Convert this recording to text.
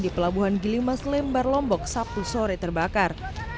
di pelabuhan gilimas lembar lombok sabtu sore terbakar